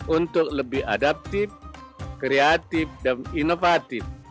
untuk lebih adaptif kreatif dan inovatif